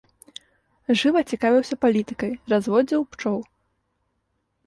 Жыва цікавіўся палітыкай, разводзіў пчол.